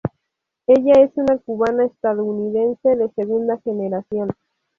Ella es una cubana-estadounidense de segunda generación.